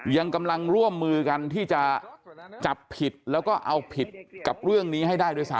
ยังกำลังร่วมมือกันที่จะจับผิดแล้วก็เอาผิดกับเรื่องนี้ให้ได้ด้วยซ้